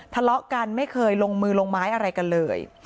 ทะเลาะกันไม่เคยลงมือลงไม้อะไรกันเลย